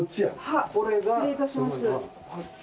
はっ失礼いたします。